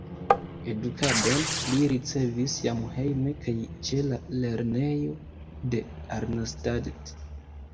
Edukadon li ricevis jam hejme kaj ĉe la lernejo de Arnstadt.